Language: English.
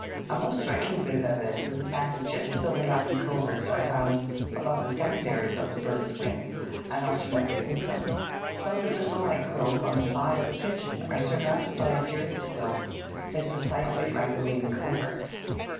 A most striking bit of evidence is the fact that just as overlapping coverts are found above the secondaries of the bird's wing and alternately with them, so the bristle like quills on the thigh of the pigeon are surmounted by a scries of quills placed precisely like the wing coverts.